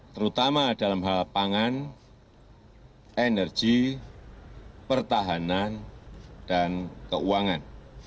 terutama dalam hal pangan energi pertahanan dan keuangan